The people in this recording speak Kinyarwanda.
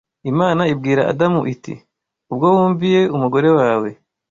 Imana ibwira Adamu iti: “Ubwo wumviye umugore wawe